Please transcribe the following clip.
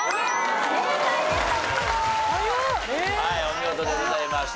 はいお見事でございました。